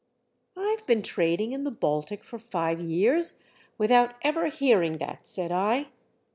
" I've been trading in the Baltic for five years without ever hearing that," said I.